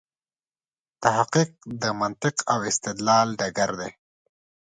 تحقیق د منطق او استدلال ډګر دی.